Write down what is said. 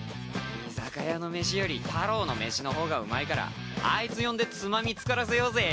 居酒屋の飯より太朗の飯の方がうまいからあいつ呼んでつまみ作らせようぜ。